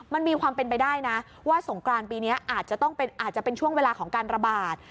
มันมีความเป็นไปได้นะว่าสงกรานปีนี้อาจจะต้องอาจจะเป็นช่วงเวลาของการระบาด